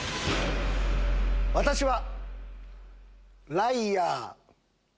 私はライアー。